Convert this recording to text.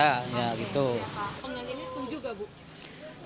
penggantian ini setuju gak ibu